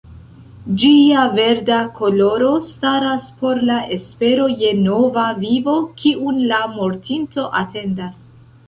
Ĝia verda koloro staras por la espero je nova vivo kiun la mortinto atendas.